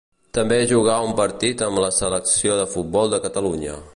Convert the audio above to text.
També jugà un partit amb la selecció de futbol de Catalunya.